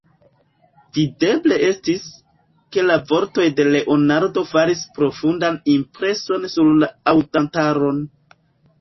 Videble estis, ke la vortoj de Leonardo faris profundan impreson sur la aŭdantaron.